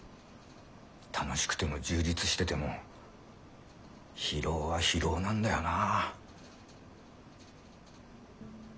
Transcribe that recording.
楽しくても充実してても疲労は疲労なんだよな。